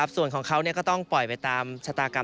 ส่วนของเขาก็ต้องปล่อยไปตามชะตากรรม